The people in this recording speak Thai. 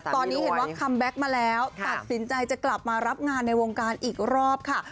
ตอนนี้เห็นว่าคัมแบ็คมาแล้วตัดสินใจจะกลับมารับงานในวงการอีกรอบค่ะ